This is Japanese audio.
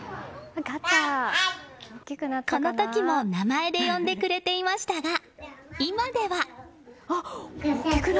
この時も名前で呼んでくれていましたが今では。